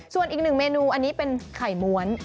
ส่วนอีกหนึ่งเมนูอันนี้เป็นไข่ม้วน